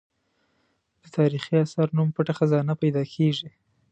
د تاریخي اثر نوم پټه خزانه پیدا کېږي.